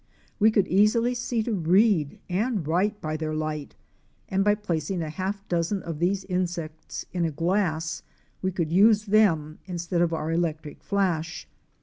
We could easily see to read and write by their light, and by placing a half dozen of these insects in a glass we could use them instead of our electric flash.